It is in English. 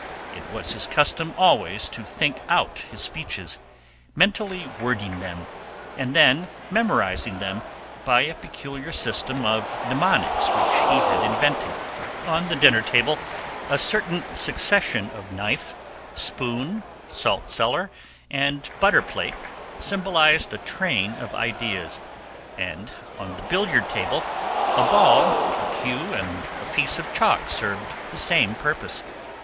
It was his custom always to think out his speeches, mentally wording them, and then memorizing them by a peculiar system of mnemonics which he had invented. On the dinner table a certain succession of knife, spoon, salt cellar, and butter plate symbolized a train of ideas, and on the billiard table a ball, a cue, and a piece of chalk served the same purpose.